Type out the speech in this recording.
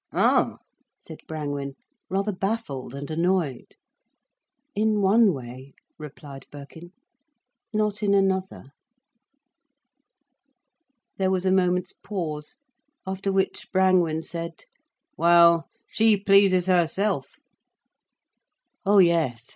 Oh!" said Brangwen, rather baffled and annoyed. "In one way," replied Birkin, "—not in another." There was a moment's pause, after which Brangwen said: "Well, she pleases herself—" "Oh yes!"